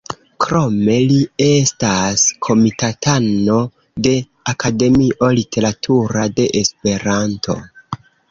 Krome li estas komitatano de Akademio Literatura de Esperanto.